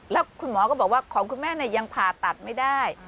แล้วคุณหมอก็บอกว่าของคุณแม่ยังผ่าตัดไม่ได้